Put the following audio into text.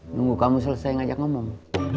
nunggu kamu selesai ngajak ngomong